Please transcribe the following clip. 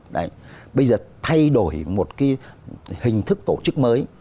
đấy bây giờ thay đổi một cái hình thức tổ chức mới